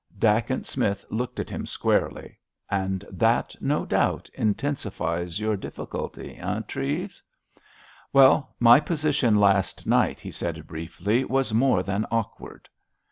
Dacent Smith looked at him squarely. "And that, no doubt, intensifies your difficulty, eh, Treves?" "Well, my position last night," he said briefly, "was more than awkward."